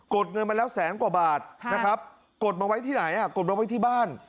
ดเงินมาแล้วแสนกว่าบาทนะครับกดมาไว้ที่ไหนกดมาไว้ที่บ้าน